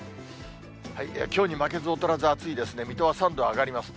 きょうに負けず劣らず暑いですね、水戸は３度上がります。